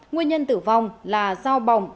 nguyên nhân tử vong là do bỏng